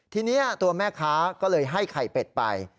ทีนี้ตัวแม่ค้าก็เลยให้ไข่เป็ดไป